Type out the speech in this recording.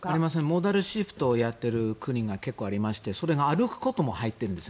モーダルシフトをやっている国が結構ありまして、それが歩くことも入ってるんです。